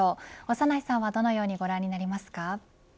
長内さんはどのようにご覧になりますか。